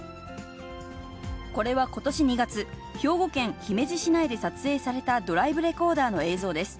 これはことし２月、兵庫県姫路市内で撮影されたドライブレコーダーの映像です。